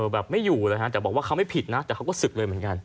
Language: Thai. แบบไม่อยู่เลยฮะแต่บอกว่าเขาไม่ผิดนะแต่เขาก็ศึกเลยเหมือนกัน